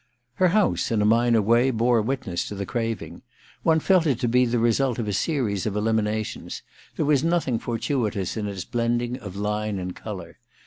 Her house, in a minor way, bore witness to the craving. One felt it to be the result of a series of eliminations : there was nothing for tuitous in its blending of line and colour.